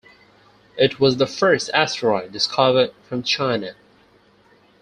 It was the first asteroid discovered from China.